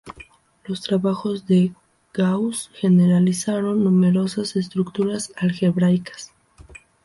Los trabajos de Gauss generalizaron numerosas estructuras algebraicas.